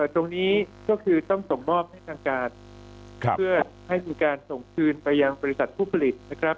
ตรงนี้ก็คือต้องส่งมอบให้ทางการเพื่อให้มีการส่งคืนไปยังบริษัทผู้ผลิตนะครับ